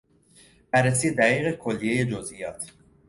بررسی دقیق کلیهی جزئیات